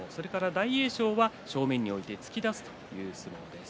大栄翔は正面に置いて突き出すという相撲です。